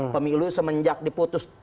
pemilu semenjak diputus